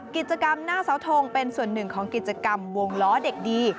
กิจกรรมหน้าเสาทงเป็นส่วนหนึ่งของกิจกรรมวงล้อเด็กดี